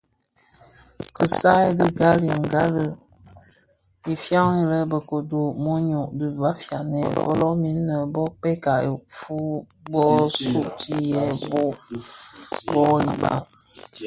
Kisam dhi kinga gbali I faňii lè Bekodo mōnyō di bafianè folomin nnë bö kpèya ifuu bō sug yè bhog bo dhad.